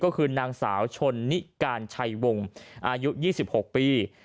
ก็คือนางสาวชนนิการชัยวงศ์อายุ๒๖ปี